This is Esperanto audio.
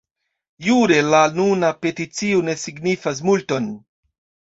Jure la nuna peticio ne signifas multon.